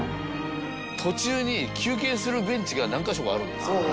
途中に休憩するベンチが何カ所かあるんですよ。